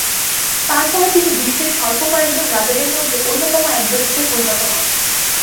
তারপরও তিনি বিশ্বের স্বল্প কয়েকজন রাজাদের মধ্যে অন্যতম একজনরূপে পরিণত হন।